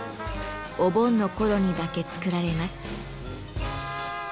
お盆の頃にだけ作られます。